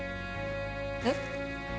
えっ？